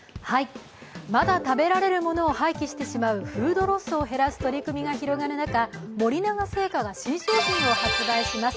まだ食べられるものを廃棄してしまうフードロスを減らす取り組みが広がる中、森永製菓が新商品を発売します。